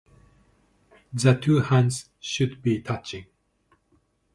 The two hands should be touching.